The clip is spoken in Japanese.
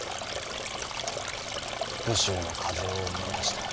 武州の風を思い出した。